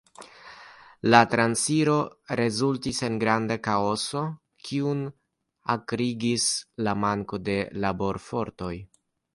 La transiro rezultis en granda kaoso, kiun akrigis la manko de laborfortoj.